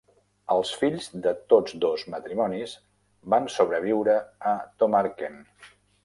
Els fills de tots dos matrimonis van sobreviure a Tomarken.